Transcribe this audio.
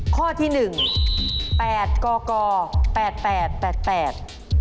ข้อที่๑แปดก่อแปดแปด